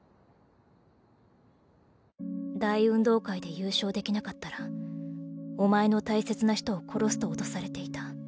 大運動会で優勝できなかったらお前の大切な人を殺すと脅されていた。